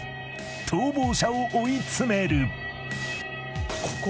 逃亡者を追い詰める］